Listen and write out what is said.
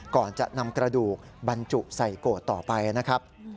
ก่อนจะนำกระดูกบรรจุใส่โกรธต่อไปนะครับ